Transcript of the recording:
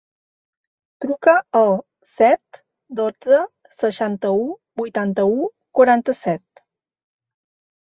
Truca al set, dotze, seixanta-u, vuitanta-u, quaranta-set.